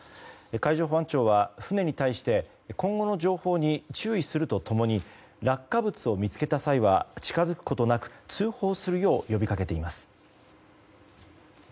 海上保安庁は船に対して今後の情報に注意すると共に落下物を見つけた際は近づくことなく通報するよう呼び掛けています。